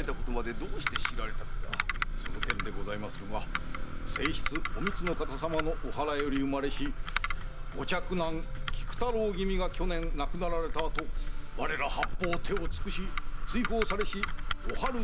その件でございまするが正室お美津の方様のお腹より産まれしご嫡男・菊太郎君が亡くなられた後我ら八方手を尽くし追放されしおはる